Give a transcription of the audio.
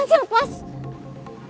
lo gak mau ikut kita